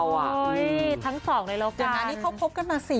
ไม่เขิดหรอ